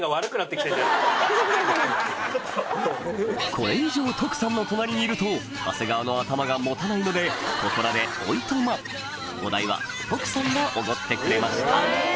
これ以上徳さんの隣にいると長谷川の頭が持たないのでここらでおいとまお代は徳さんがおごってくれました